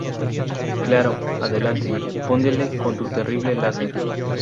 Claro, adelante. Fúndele con tu terrible láser.